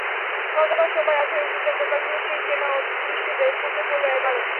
গতকাল সোমবার রাজধানীর জুতার দোকানগুলোয় সেই চেনা দৃশ্য চোখে পড়ল এবারও।